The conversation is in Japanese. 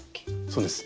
そうです。